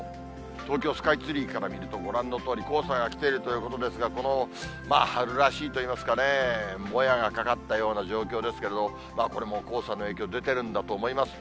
東京スカイツリーから見ると、ご覧のとおり、黄砂が来ているということですが、この、春らしいといいますかね、もやがかかったような状況ですけれど、これも黄砂の影響出ているんだと思います。